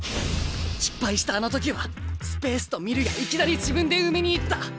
失敗したあの時はスペースと見るやいきなり自分で埋めに行った。